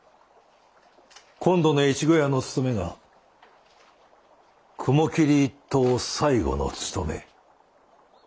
今度の越後屋のつとめが雲霧一党最後のつとめ。